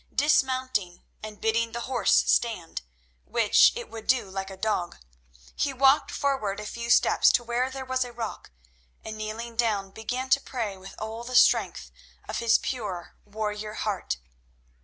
Dismounting, and bidding the horse stand, which it would do like a dog, he walked forward a few steps to where there was a rock, and, kneeling down, began to pray with all the strength of his pure, warrior heart.